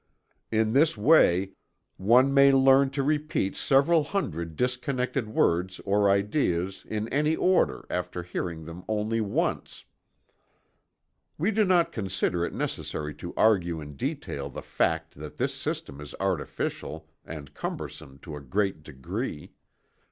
In this way one may learn to repeat several hundred disconnected words or ideas in any order after hearing them only once." We do not consider it necessary to argue in detail the fact that this system is artificial and cumbersome to a great degree.